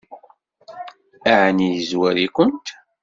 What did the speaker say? Ɛni yezwar-ikent?